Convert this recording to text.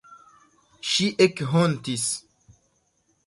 Ŝi ekhontis.